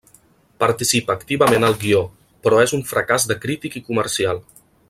Participa activament al guió, però és un fracàs de crític i comercial.